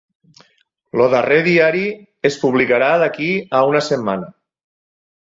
El darrer diari es publicarà d'aquí a una setmana.